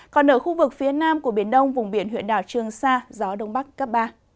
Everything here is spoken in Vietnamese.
còn ở khu vực phía nam của biển đông vùng biển huyện đảo trường sa gió đông bắc cấp ba